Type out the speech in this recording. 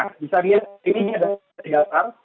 nah bisa dilihat ini ada kegiatan